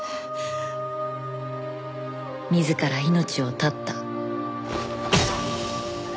自ら命を絶った。